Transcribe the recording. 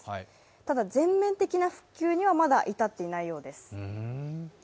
ただ、全面的な復旧には、まだ至っていないようです。